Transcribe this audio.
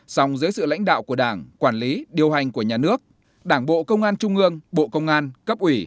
song dưới sự lãnh đạo của đảng quản lý điều hành của nhà nước đảng bộ công an trung ương bộ công an cấp ủy